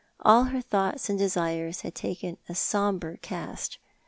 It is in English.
All her thoughts and desires had taken a sombre cast.